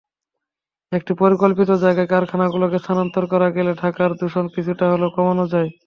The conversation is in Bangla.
একটি পরিকল্পিত জায়গায় কারখানাগুলোকে স্থানান্তর করা গেলে ঢাকার দূষণ কিছুটা হলেও কমানো যায়।